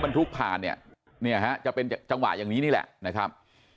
มันทุกข์ผ่านจะเป็นจังหวะอย่างนี้แหละนะครับ